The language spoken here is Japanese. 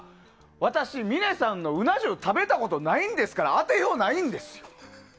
私、峰さんのうな重食べたことないんですから当てようがないんです。